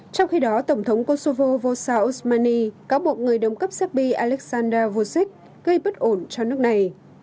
trong khi đó tổng thống kosovo vosa osmani cáo buộc người đồng cấp shekpi aleksandar vucic gây bất ổn cho nước này